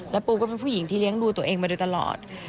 แล้วปูก็เป็นผู้หญิงที่เลี้ยงดูตัวเองมาโดยตลอด